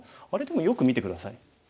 でもよく見て下さい。